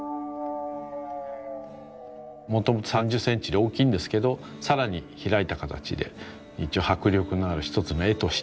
もともと３０センチで大きいんですけどさらに開いた形で一応迫力のある一つの絵として。